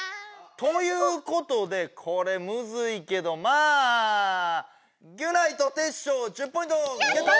ということでこれむずいけどまあギュナイとテッショウ１０ポイントゲット！